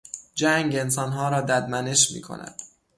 جنگ انسانها را ددمنش میکند.